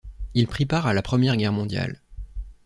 Il prit part à la Première Guerre mondiale.